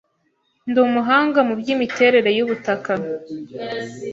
“Ndi umuhanga mu by’imiterere y’ubutaka